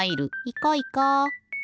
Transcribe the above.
いこいこ。